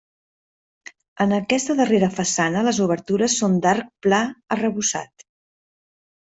En aquesta darrera façana les obertures són d'arc pla arrebossat.